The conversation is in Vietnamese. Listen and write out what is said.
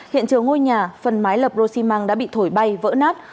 hiện trường ngôi nhà phần mái lập rô xi măng đã bị thổi bay vỡ nát